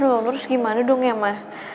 dong terus gimana dong ya ma